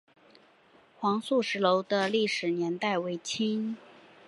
黄素石楼的历史年代为清。